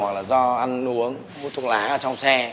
hoặc là do ăn uống uống thuốc lá trong xe